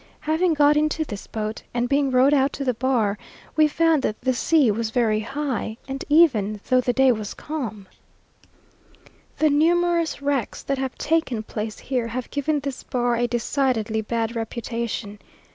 Having got into this boat, and being rowed out to the bar, we found that there the sea was very high, even though the day was calm. The numerous wrecks that have taken place here have given this bar a decidedly bad reputation.